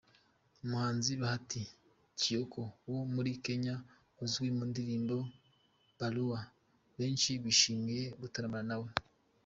Umuhanzi Bahati Kioko wo muri Kenya uzwi mu ndirimbo Barua, benshi bishimiye gutaramana nawe.